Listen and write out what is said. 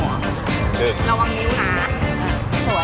ระวังมือค่ะ